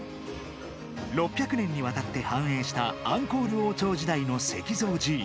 ６００年にわたって繁栄したアンコール王朝時代の石造寺院